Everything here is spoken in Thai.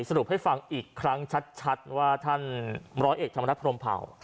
สรุปให้ฟังอีกครั้งชัดว่าท่านร้อยเอกธรรมนัฐพรมเผา